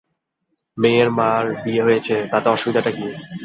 মেয়ের মার বিয়ে হয়েছে, তাতে অসুবিধাটা কী?